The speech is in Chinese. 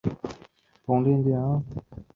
滨田毅是一名日本电影摄影导演。